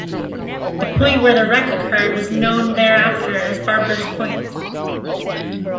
The point where the wreck occurred was known thereafter as Barbers Point.